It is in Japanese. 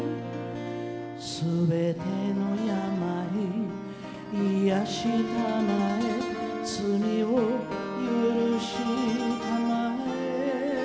「全ての病癒したまえ罪を許したまえ」